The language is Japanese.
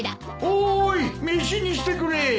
・おーい飯にしてくれ！